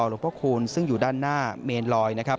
ลงพ่อคูณซึ่งอยู่ด้านหน้าเมนลอย